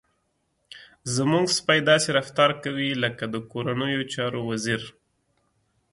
زموږ سپی داسې رفتار کوي لکه د کورنیو چارو وزير.